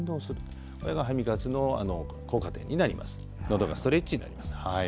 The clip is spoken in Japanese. どのストレッチになります。